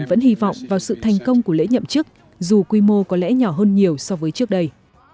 vẫn hy vọng vào sự thành công của lễ nhậm chức dù quy mô có lẽ nhỏ hơn nhiều so với trước đây